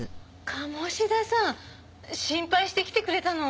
鴨志田さん心配して来てくれたの？